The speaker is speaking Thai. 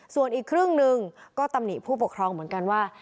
ส่วนอีกครึ่งหนึ่งก็ตำหนิผู้ปกครองเหมือนกันว่า